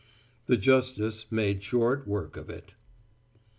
The Justice made short work of it.